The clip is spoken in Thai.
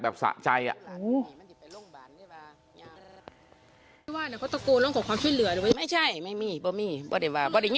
แบบสะใจ